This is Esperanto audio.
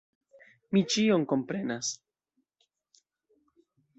Mi ĉion komprenas.